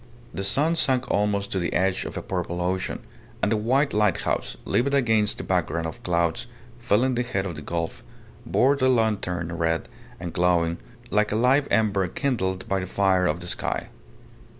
The sun sank almost to the edge of a purple ocean; and the white lighthouse, livid against the background of clouds filling the head of the gulf, bore the lantern red and glowing, like a live ember kindled by the fire of the sky.